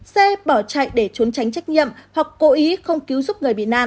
xe bỏ chạy để trốn tránh trách nhiệm hoặc cố ý không cứu giúp người bị nạn